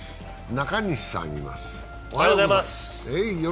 中西さんがいます。